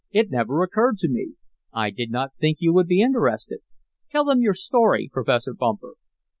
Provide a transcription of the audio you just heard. it never occurred to me. I did not think you would be interested. Tell them your story, Professor Bumper."